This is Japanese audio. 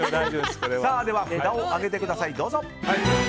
では、札を上げてください。